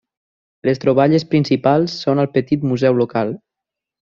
Les troballes principals són al petit museu local.